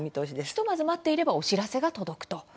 ひとまず待っていればお知らせが届くと。